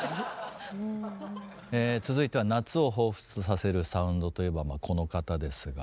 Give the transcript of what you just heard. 続いては夏を彷彿とさせるサウンドといえばまあこの方ですが。